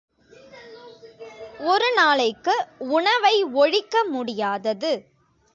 ஒரு நாளைக்கு உணவை ஒழிக்க முடியாதது.